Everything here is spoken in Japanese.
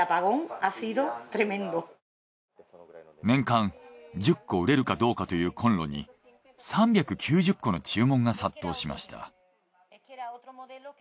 年間１０個売れるかどうかというコンロに３９０個の注文が殺到しました。